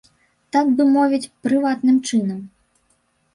Так бы мовіць, прыватным чынам.